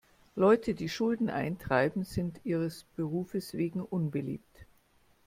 Leute, die Schulden eintreiben, sind ihres Berufes wegen unbeliebt.